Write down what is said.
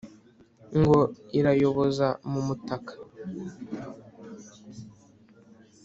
ngo irayoboza mu mutaka